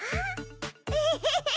エヘヘヘ。